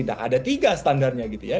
nah ada tiga standarnya gitu ya